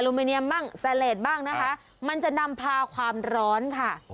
มิเนียมบ้างแซเลสบ้างนะคะมันจะนำพาความร้อนค่ะ